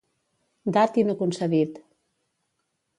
Dat i no concedit.